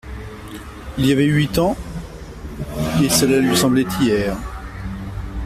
Il y avait huit ans ; et cela lui semblait hier.